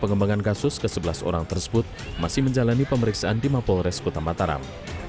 pengecekan kasus kesebelas orang tersebut masih menjalani pemeriksaan di mapo res kota mataram